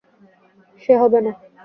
সে হবে না।